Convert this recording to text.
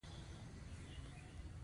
ړستونی مو پورته کړی چې فشار مو وګورم.